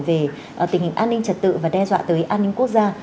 về tình hình an ninh trật tự và đe dọa tới an ninh quốc gia